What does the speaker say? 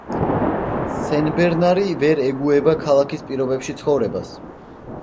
სენბერნარი ვერ ეგუება ქალაქის პირობებში ცხოვრებას.